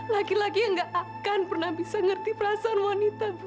laki laki yang gak akan pernah bisa ngerti perasaan wanita